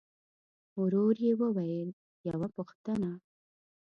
ورو يې وويل: يوه پوښتنه!